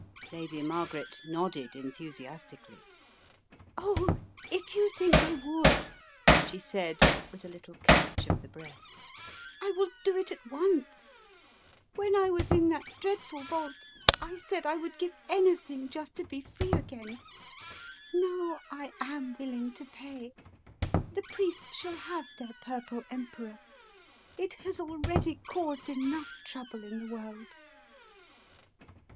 Lady Margaret nodded enthusiastically. "Oh, if you think they would! 99 she said with a little catch of the breath. "I will do it at once, When I was in that dreadful vault, I said I would give anything just to be free again. Now I am will* ing to pay. The priests shall have their Purple Em peror. It has already caused enough trouble in the world."